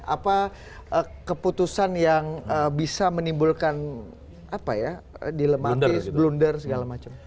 apa keputusan yang bisa menimbulkan dilematis blunder segala macam